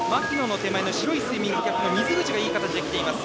白いスイミングキャップの水口がいい形できています。